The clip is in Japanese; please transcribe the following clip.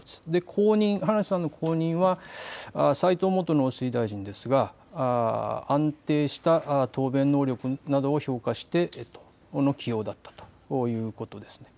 後任、葉梨さんの後任は、齋藤元農水大臣ですが、安定した答弁能力などを評価しての起用だったということですね。